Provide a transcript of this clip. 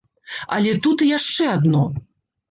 Але тут і яшчэ адно.